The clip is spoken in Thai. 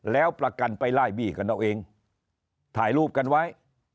แล้วประกันไปไล่บี้กันเอาเองถ่ายรูปกันไว้